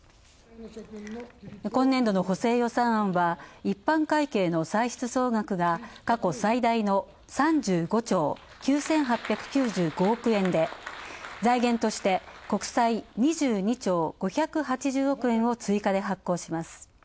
今年度の補正予算案は一般会計の歳出総額が過去最大の３５兆９８９５億円で、財源として国債２２兆追加で発行します。